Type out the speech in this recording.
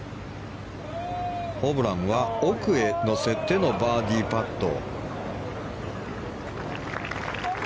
ホブランは奥へ乗せてのバーディーパット。